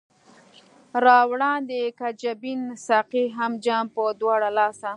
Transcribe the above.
را وړاندي که جبين ساقي هم جام پۀ دواړه لاسه